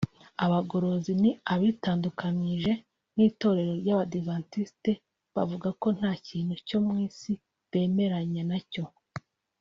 Abagorozi ni abitandukanyije n’itorero ry’abadivantisiti bavuga ko nta kintu cyo mu isi bemeranya nacyo